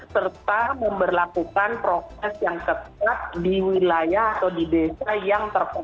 serta memperlakukan proses yang tepat di wilayah atau di desa